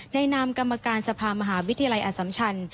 นามกรรมการสภามหาวิทยาลัยอสัมชัน